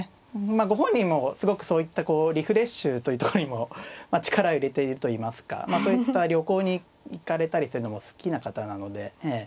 まあご本人もすごくそういったこうリフレッシュというとこにも力を入れているといいますかそういった旅行に行かれたりするのも好きな方なのでええ。